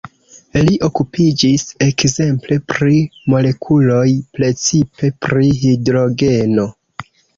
Li okupiĝis ekzemple pri molekuloj, precipe pri hidrogeno.